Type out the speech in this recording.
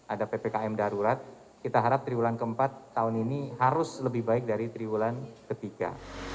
ada ppkm darurat kita harap triwulan keempat tahun ini harus lebih baik dari triwulan ketiga